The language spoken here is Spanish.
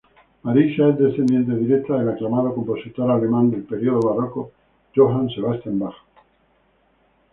Marisa es descendiente directa del aclamado compositor alemán del período barroco: Johann Sebastian Bach.